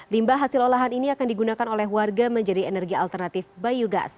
limbah hasil olahan ini akan digunakan oleh warga menjadi energi alternatif biogas